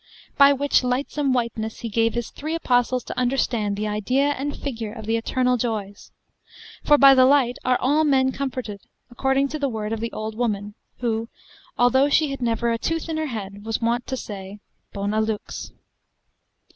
By which lightsome whiteness he gave his three apostles to understand the idea and figure of the eternal joys; for by the light are all men comforted, according to the word of the old woman, who, although she had never a tooth in her head, was wont to say, Bona lux.